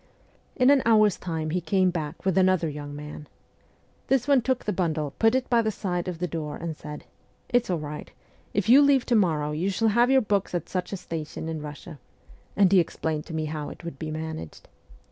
In an hour's time he came back with another young man. This one took the bundle, put it by the side of the door, and said: 'It's all right. If you leave to morrow, you shall have your books at such a station in Russia,' and he explained to me how it would be managed.